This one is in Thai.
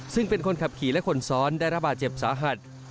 ซึ่งเป็นคนขับขี่และคนซ้อนได้ระบาดเจ็บสาหัส